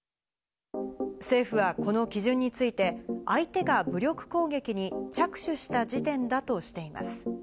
政府はこの基準について、相手が武力攻撃に着手した時点だとしています。